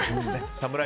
サムライ